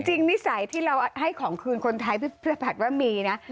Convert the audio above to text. นิสัยที่เราให้ของคืนคนไทยพี่ผัดว่ามีนะ